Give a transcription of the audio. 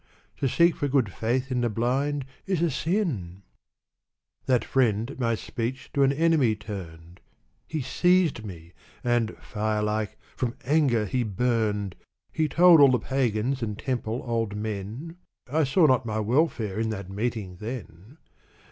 To seek for good faith in the blind is a sin !" That friend at my speech to an enemy turned ; He seized trie, and, fire like, from anger he burned. He told all the pagans and temple old men ; I saw not my welfare in that meeting then.